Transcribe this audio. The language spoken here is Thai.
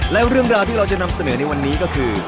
และเรื่องราวที่เราจะนำเสนอในวันนี้ก็คือ